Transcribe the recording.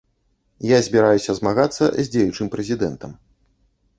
Я збіраюся змагацца з дзеючым прэзідэнтам.